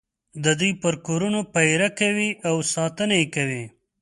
د دوی پر کورونو پېره کوي او ساتنه یې کوي.